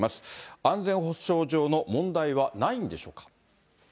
安全保障上の問題はないんでしょうか。